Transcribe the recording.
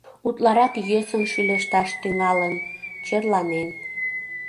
Утларак йӧсын шӱлешташ тӱҥалын, черланен.